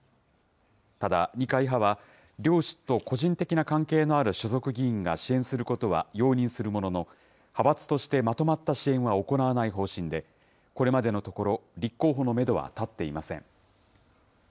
ただ二階派は、両氏と個人的な関係のある所属議員が支援することは容認するものの、派閥としてまとまった支援は行わない方針で、これまでのところ、立候補のメドは立っていません。